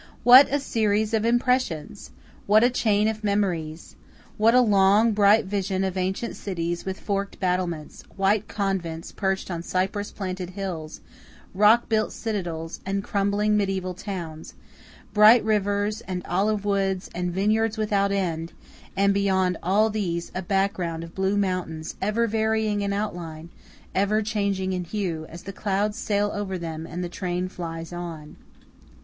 What a series of impressions! What a chain of memories! What a long bright vision of ancient cities with forked battlements; white convents perched on cypress planted hills; rock built citadels, and crumbling mediæval towns, bright rivers, and olive woods, and vineyards without end; and beyond all these a background of blue mountains ever varying in outline, ever changing in hue, as the clouds sail over them and the train flies on!